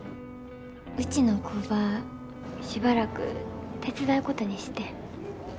うちの工場しばらく手伝うことにしてん。